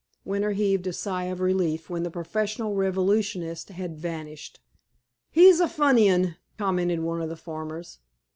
Winter heaved a sigh of relief when the professional revolutionist had vanished. "He's a funny 'un," commented one of the farmers.